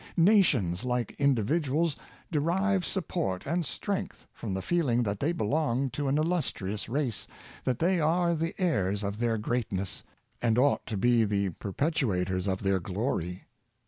Nations, like individuals, derive support and strength from the feeling that they belong to an illustrious race, that they are the heirs of their greatness, and ought to be the perpetuators of their glory.